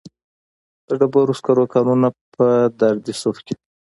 د ډبرو سکرو کانونه په دره صوف کې دي